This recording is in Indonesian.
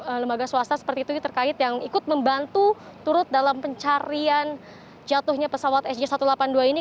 jadi lembaga swasta seperti itu terkait yang ikut membantu turut dalam pencarian jatuhnya pesawat sj satu ratus delapan puluh dua ini